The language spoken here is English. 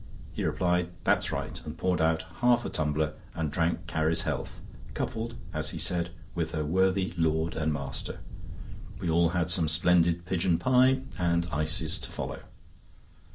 He replied: "That's right," and poured out half a tumbler and drank Carrie's health, coupled, as he said, "with her worthy lord and master." We all had some splendid pigeon pie, and ices to follow.